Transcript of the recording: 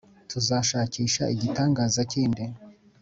tuzashakisha igitangaza kindi